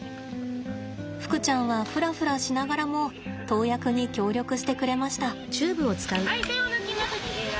ふくちゃんはふらふらしながらも投薬に協力してくれました。